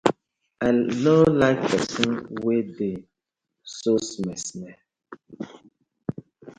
I no like pesin we dey so smer smer.